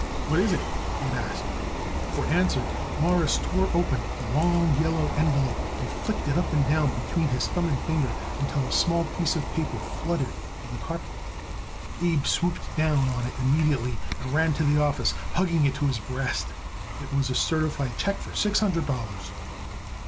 "What is it?" Abe asked. For answer Morris tore open a long yellow envelope and flicked it up and down between his thumb and finger until a small piece of paper fluttered to the carpet. Abe swooped down on it immediately and ran to the office, hugging it to his breast. It was a certified check for six hundred dollars.